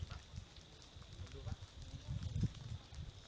สวัสดี